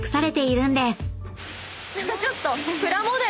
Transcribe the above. ちょっと。